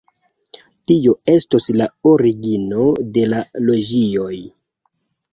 Tio estos la origino de la loĝioj.